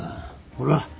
ほら！